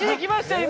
今。